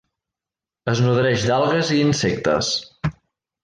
Es nodreix d'algues i insectes.